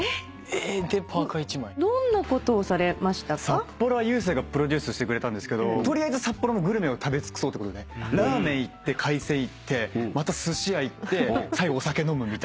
札幌は勇征がプロデュースしてくれたんですけど取りあえず札幌のグルメを食べ尽くそうってことでラーメン行って海鮮行ってまたすし屋行って最後お酒飲むみたいな。